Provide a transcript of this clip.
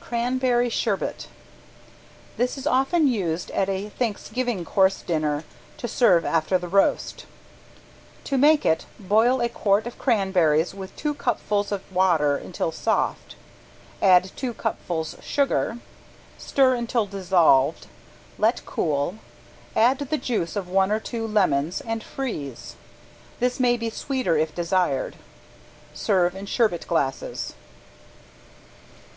~CRANBERRY SHERBET~ This is often used at a Thanksgiving course dinner to serve after the roast. To make it boil a quart of cranberries with two cupfuls of water until soft, add two cupfuls sugar, stir until dissolved, let cool, add the juice of one or two lemons and freeze. This may be sweeter if desired. Serve in sherbet glasses.